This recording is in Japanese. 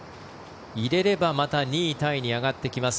入れればまた２位タイに上がってきます。